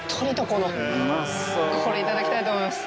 これいただきたいと思います。